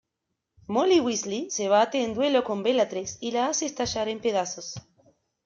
Molly Weasley se bate en duelo con Bellatrix y la hace estallar en pedazos.